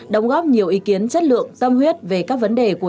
đồng góp nhiều ý kiến chất lượng tâm huyết về các vấn đề của dự án